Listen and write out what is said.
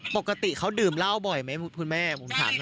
ปกติเขาดื่มเหล้าบ่อยไหมคุณแม่ผมถาม